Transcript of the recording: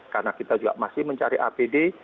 karena kita juga masih mencari apd